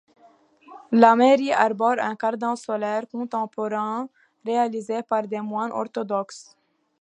La mairie arbore un cadran solaire contemporain réalisé par des moines orthodoxes.